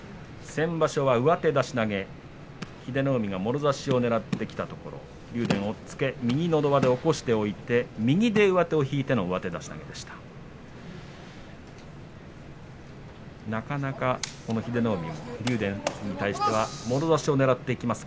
先場所は上手出し投げ英乃海がもろ差しをねらってきたところを竜電押っつけて右のど輪で起こして右で上手を引いて上手出し投げで勝っています。